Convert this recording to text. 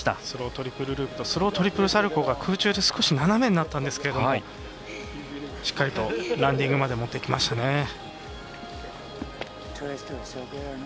スロートリプルループとスロートリプルサルコーが空中で少し斜めになったんですけどしっかりとランディングまで持っていきましたね。